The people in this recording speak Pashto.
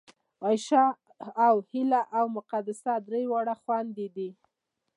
عایشه او هیله او مقدسه درې واړه خوېندې دي